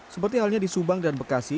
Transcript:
seperti halnya di subang dan bekasi